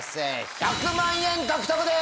１００万円獲得です！